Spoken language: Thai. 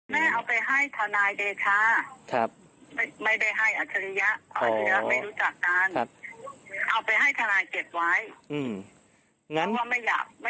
แม่ออกไปให้ทานายนะคะ